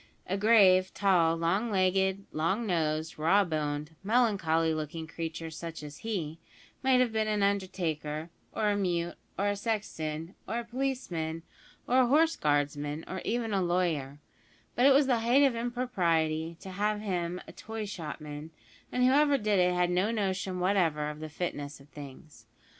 A grave, tall, long legged, long nosed, raw boned, melancholy looking creature such as he, might have been an undertaker, or a mute, or a sexton, or a policeman, or a horse guardsman, or even a lawyer; but it was the height of impropriety to have made him a toy shopman, and whoever did it had no notion whatever of the fitness of things.